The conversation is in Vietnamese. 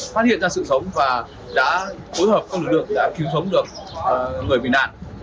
phát hiện ra sự sống và đã phối hợp các lực lượng đã cứu sống được người bị nạn